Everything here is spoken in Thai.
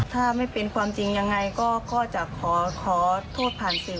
ถ้าไม่เป็นความจริงยังไงก็จะขอโทษผ่านสื่อ